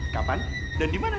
kapan dan dimana